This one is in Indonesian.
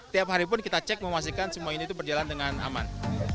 tiap hari pun kita cek memastikan semua ini itu berjalan dengan aman